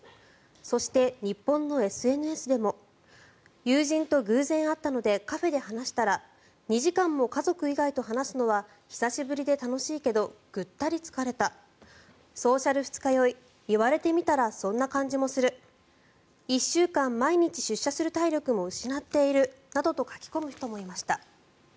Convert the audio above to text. そして、日本のＳＮＳでも友人と偶然会ったのでカフェで話したら２時間も家族以外と話すのは久しぶりで楽しいけどぐったり疲れたソーシャル二日酔い言われてみたらそんな感じもする１週間毎日出社する体力も失っているなどと書き込む人もいました。